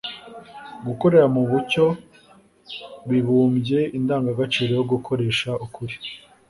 gukorera mu mucyo bibumbye indangagaciro yo gukoresha ukuri